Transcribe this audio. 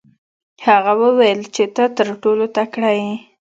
هغه وویل چې ته تر ټولو تکړه یې.